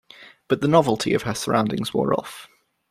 But the novelty of her surroundings wore off.